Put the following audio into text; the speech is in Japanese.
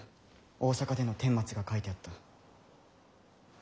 大坂での顛末が書いてあった。